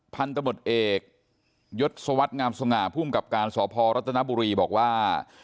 พันธมตเอกยศวรรษงามสง่าภูมิกับการสพรัฐนบุรีบอกว่า